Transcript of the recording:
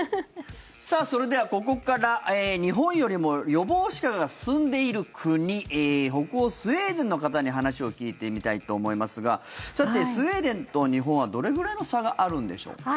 それではここから、日本よりも予防歯科が進んでいる国北欧スウェーデンの方に話を聞いてみたいと思いますがさて、スウェーデンと日本はどれぐらいの差があるんでしょうか。